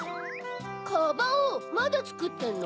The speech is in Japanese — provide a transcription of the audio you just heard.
カバオまだつくってるの？